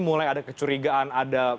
mulai ada kecurigaan ada